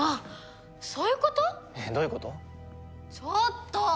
ちょっと！